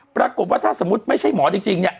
ปรากฏว่าถ้าสมมุติไม่ใช่หมอจริงเนี่ย